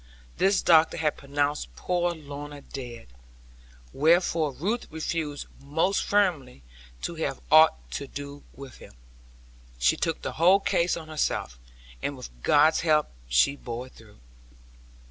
This doctor had pronounced poor Lorna dead; wherefore Ruth refused most firmly to have aught to do with him. She took the whole case on herself; and with God's help she bore it through.